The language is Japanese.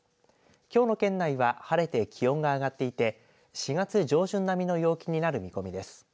きょうの県内は晴れて気温が上がっていて４月上旬並みの陽気になる見込みです。